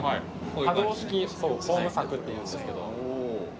可動式ホーム柵っていうんですけど。